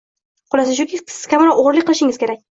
Xulosa shuki, siz kamroq o'g'rilik qilishingiz kerak!